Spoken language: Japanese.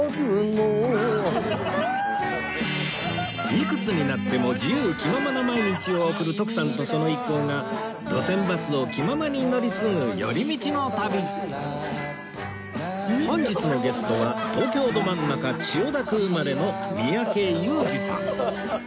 いくつになっても自由気ままな毎日を送る徳さんとその一行が路線バスを気ままに乗り継ぐ寄り道の旅本日のゲストは東京ど真ん中千代田区生まれの三宅裕司さん